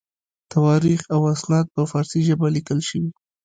تواریخ او اسناد په فارسي ژبه لیکل شوي.